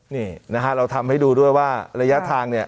นี่นะฮะเราทำให้ดูด้วยว่าระยะทางเนี่ย